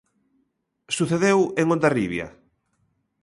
Sucedeu en Hondarribia.